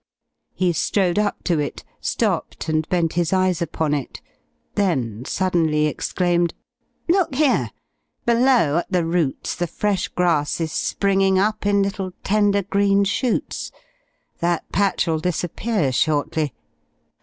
He strode up to it, stopped and bent his eyes upon it, then suddenly exclaimed: "Look here! Below at the roots the fresh grass is springing up in little tender green shoots. That patch'll disappear shortly.